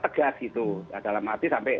tegas gitu dalam arti sampai